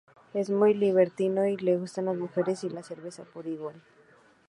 Es muy libertino, y le gustan las mujeres y la cerveza por igual.